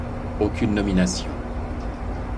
Aucune nomination.